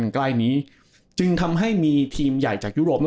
ใกล้นี้จึงทำให้มีทีมใหญ่จากยุโรป